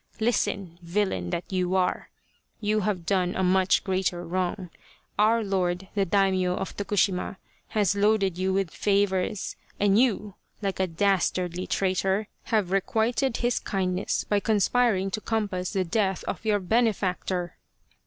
Listen, villain that you are ! You have done a much greater wrong. Our Lord, the Daimio of Tokushima, has loaded you with favours, and you, like a dastardly traitor, have requited his 53 The Quest of the Sword kindness by conspiring to compass the death of your benefactor."